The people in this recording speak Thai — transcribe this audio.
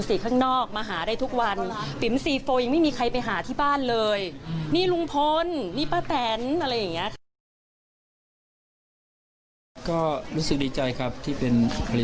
วิฟังก็วนกระแสวิทยาลัยฟ้าวิทยาลัยต่างกันต่างครับหรือ